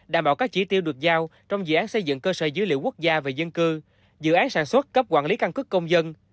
đảm bảo các chỉ tiêu được giao trong dự án xây dựng cơ sở dữ liệu quốc gia về dân cư dự án sản xuất cấp quản lý căn cứ công dân